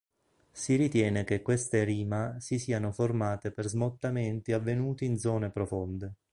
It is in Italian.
Si ritiene che queste rima si siano formate per smottamenti avvenuti in zone profonde.